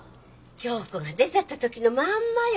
響子が出てった時のまんまよ。